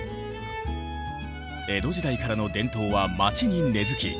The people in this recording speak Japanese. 江戸時代からの伝統は町に根づき